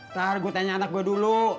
terakhir gue tanya anak gue dulu